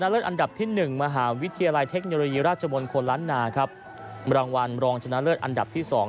รางวัลรองชนะเลิศอันดับที่สอง